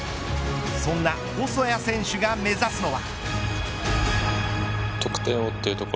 そんな細谷選手が目指すのは。